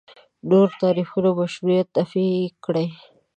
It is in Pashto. نورو تعریفونو مشروعیت نفي کړي.